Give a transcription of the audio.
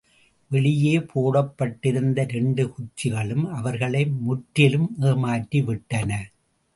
வெளியே போடப்பட்டிருந்த இரண்டு குச்சிகளும் அவர்களை முற்றிலும் ஏமாற்றி விட்டன.